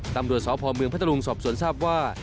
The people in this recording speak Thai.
ตำรวจสพเมืองพัทธรุงสอบสวนทราบว่า